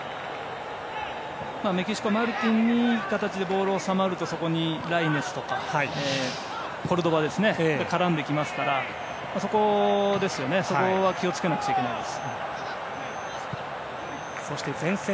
メキシコは、マルティンにいい形でボールが収まるとそこにライネスとかコルドバが絡んできますからそこは気をつけなきゃいけないです。